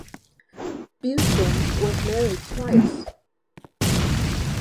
Buston was married twice.